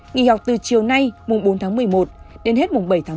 nghi học từ chiều nay bốn một mươi một đến hết bảy một mươi một